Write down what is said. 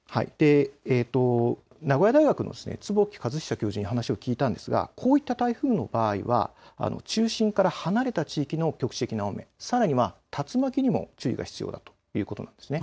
名古屋大学の坪木和久教授に話を聞いたんですがこういった台風の場合は中心から離れた地域の局地的な大雨、さらには竜巻にも注意が必要だということです。